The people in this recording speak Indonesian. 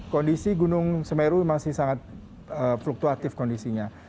kondisi gunung semeru masih sangat fluktuatif kondisinya